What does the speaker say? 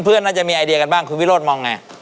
เพื่อนน่าจะมีไอเดียกันบ้างคุณวิโรธมองอย่างไร